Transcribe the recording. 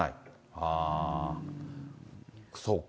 ああ、そうか。